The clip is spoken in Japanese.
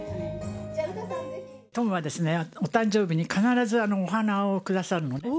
トムはお誕生日に必ずお花をくださるの。